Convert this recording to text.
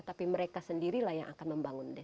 tapi mereka sendirilah yang akan membangun desa